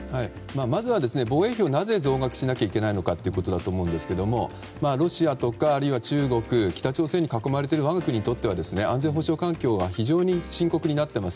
まずは防衛費をなぜ増額しなきゃいけないかということですがロシアとかあるいは中国、北朝鮮に囲まれている我が国とってっは安全保障環境は非常に深刻になっています。